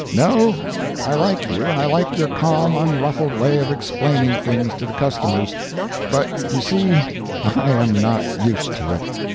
No; I like you, and I like your calm unruffled way of explaining things to the customers, but you see I am not used to it.